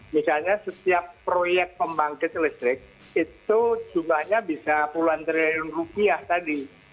misalnya setiap proyek pembangkit listrik itu jumlahnya bisa puluhan triliun rupiah tadi